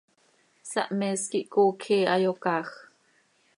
Sahmees quih coocj ihi, hayocaaaj.